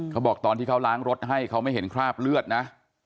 เขาบอกตอนที่เขาล้างรถให้เขาไม่เห็นคราบเลือดนะ